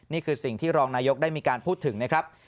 นี่คือสิ่งที่รองนายกได้มีการพูดถึงนะครับ